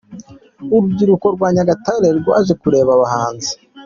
Urubyiruko rwa Nyagatare rwaje kureba abahanzi.